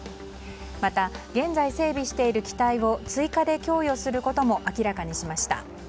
また、現在整備している機体を追加で供与することも明らかにしました。